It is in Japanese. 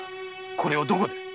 これをどこで？